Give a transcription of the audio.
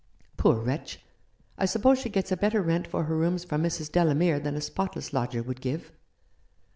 Poor wretch, I suppose she gets a better rent for her rooms from Mrs. Delamere than a spotless lodger would give.